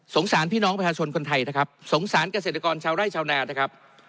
สารพี่น้องประชาชนคนไทยนะครับสงสารเกษตรกรชาวไร่ชาวนานะครับ